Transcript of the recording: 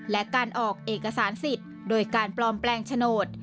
และการออกเอกสารสิทธิ์โดยการปลอมแปลงโฉนด